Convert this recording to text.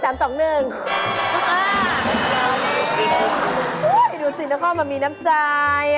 ดูสินะครับมันมีน้ำจ่าย